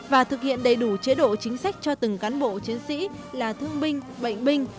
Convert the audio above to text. và thực hiện đầy đủ chế độ chính sách cho từng cán bộ chiến sĩ là thương binh bệnh binh